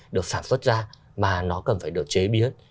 được sản xuất ra mà nó cần phải được chế biến